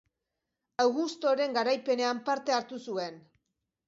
Augustoren garaipenean parte hartu zuen.